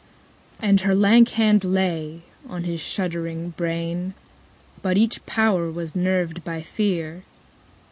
_90 17. And her lank hand lay on his shuddering brain; But each power was nerved by fear.